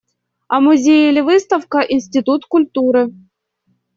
А музей или выставка – институт культуры.